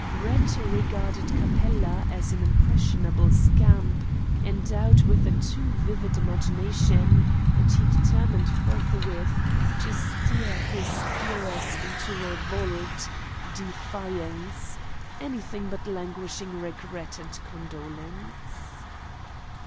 Brett regarded Capella as an impressionable scamp, endowed with a too vivid imagination, and he determined forthwith to stir his hearers into revolt, defiance anything but languishing regret and condolence.